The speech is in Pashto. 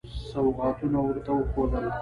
سوغاتونه ورته وښودل.